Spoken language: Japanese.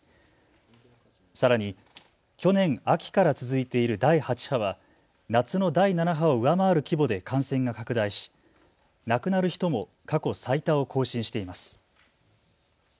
さらに去年秋から続いている第８波は夏の第７波を上回る規模で感染が拡大し亡くなる人も過去最多を更新しています。